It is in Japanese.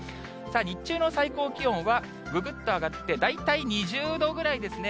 日中の最高気温は、ぐぐっと上がって、大体２０度ぐらいですね。